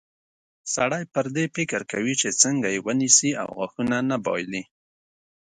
سړی پر دې فکر کوي چې څنګه یې ونیسي او غاښونه نه بایلي.